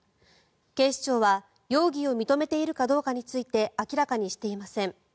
警視庁は、容疑を認めているかどうかについて明らかにしていません。